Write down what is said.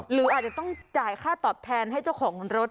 หรืออาจจะต้องจ่ายค่าตอบแทนให้เจ้าของรถ